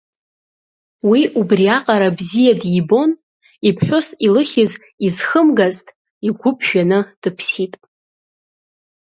Уи убриаҟара бзиа дибон, иԥҳәыс илыхьыз изхымгазт, игәы ԥжәаны дыԥсит.